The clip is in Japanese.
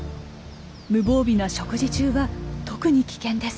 無防備な食事中は特に危険です。